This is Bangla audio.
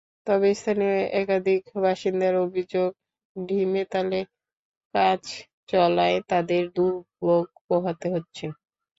তবে স্থানীয় একাধিক বাসিন্দার অভিযোগ, ঢিমেতালে কাজ চলায় তাঁদের দুর্ভোগ পোহাতে হচ্ছে।